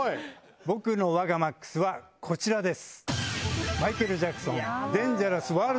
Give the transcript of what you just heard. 僕の我がＭＡＸはこちらです。